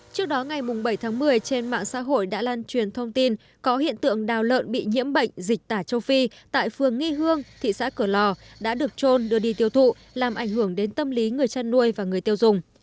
trước đó ngày bảy tháng một mươi trên mạng xã hội đã lan truyền thông tin có hiện tượng đào lợn bị nhiễm bệnh dịch tả châu phi tại phường nghi hương thị xã cửa lò đã được trôn đưa đi tiêu thụ làm ảnh hưởng đến tâm lý người chăn nuôi và người tiêu dùng